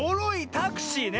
タクシーね！